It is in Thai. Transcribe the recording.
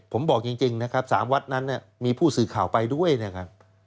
ผมบอกจริงนะครับ๓วัดนั้นเนี่ยมีผู้สื่อข่าวไปด้วยนะครับ